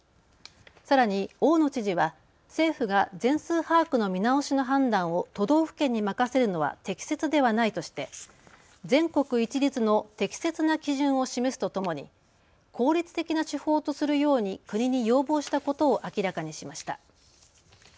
さらに大野知事は政府が全数把握の見直しの判断を都道府県に任せるのは適切ではないとして全国一律の適切な基準を示すとともに効率的な手法とするように国に要望したことを明らかにしました。